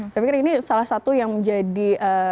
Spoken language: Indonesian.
saya pikir ini salah satu yang menjadi